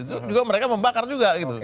itu juga mereka membakar juga gitu